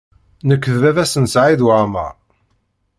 Nekk d baba-s n Saɛid Waɛmaṛ.